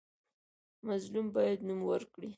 مظلوم باید نوم ورکړي.